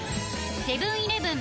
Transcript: セブン−イレブン